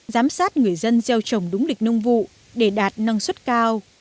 giám sát người dân gieo trồng đúng lịch nông vụ để đạt năng suất cao